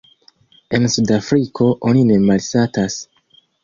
En Sudafriko oni ne malsatas.